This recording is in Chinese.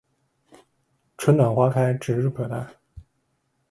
春暖花开指日可待